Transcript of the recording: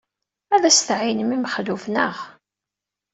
Ad as-tɛeyynem i Mexluf, naɣ?